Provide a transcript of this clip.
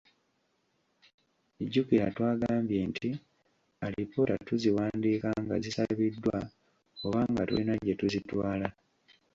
Jjukira twagambye nti alipoota tuziwandiika nga zisabiddwa oba nga tulina gye tuzitwala.